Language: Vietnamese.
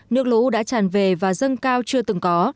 nước lũ đã tràn về và dâng cao chưa từng có